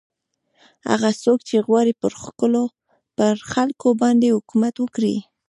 هغه څوک چې غواړي پر خلکو باندې حکومت وکړي.